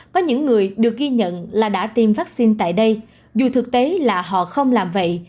có những người được ghi nhận là đã tiêm vaccine tại đây dù thực tế là họ không làm vậy